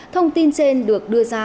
thông tin trên được đưa ra